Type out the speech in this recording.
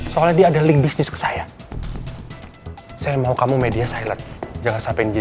soalnya ada lebih saya saya mau kamu media saya lihat jangan sampai di